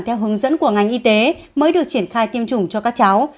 theo hướng dẫn của ngành y tế mới được triển khai tiêm chủng cho các cháu